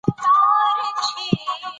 زغال د افغانستان د جغرافیوي تنوع مثال دی.